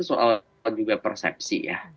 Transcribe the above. soal juga persepsi ya